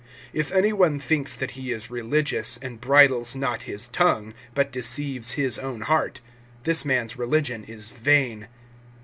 (26)If any one thinks that he is religious, and bridles not his tongue, but deceives his own heart, this man's religion is vain.